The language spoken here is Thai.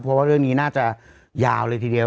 เพราะว่าเรื่องนี้น่าจะยาวเลยทีเดียว